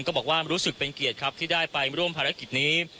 ก็บอกว่ารู้สึกเป็นเกียจที่ได้ไปร่วมภารกิจนี้